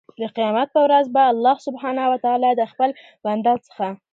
د قيامت په ورځ به الله سبحانه وتعالی د خپل بنده څخه